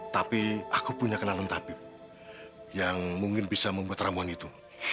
tapi aku punya kenalan tabib yang mungkin bisa membuat ramuan itu